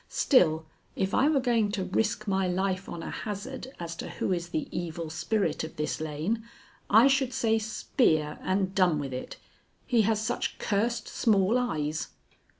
Still, if I were going to risk my life on a hazard as to who is the evil spirit of this lane, I should say Spear and done with it, he has such cursed small eyes."